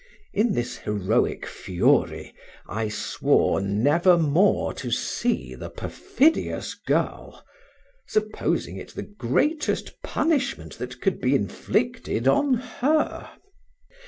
In this heroic fury, I swore never more to see the perfidious girl, supposing it the greatest punishment that could be inflicted on her.